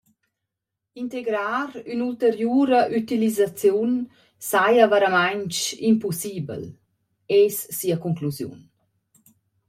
Integrar ün’ulteriura ütilisaziun saja vairamaing impussibel, es sia conclusiun.